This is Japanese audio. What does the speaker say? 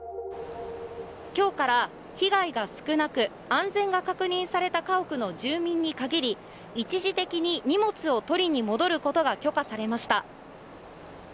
今日から被害が少なく安全が確認された家屋の住民に限り、一時的に荷物を取りに戻ることが許可されました。